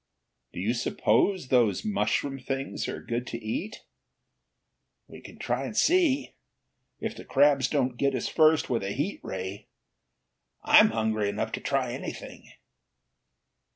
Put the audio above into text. "Do you suppose those mushroom things are good to eat?" "We can try and see if the crabs don't get us first with a heat ray. I'm hungry enough to try anything!"